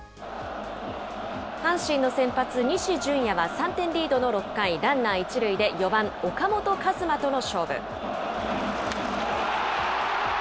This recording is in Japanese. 阪神の先発、西純矢は３点リードの６回、ランナー１塁で４番岡本和真との勝負。